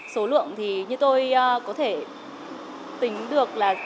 số lượng thì như tôi có thể tính được là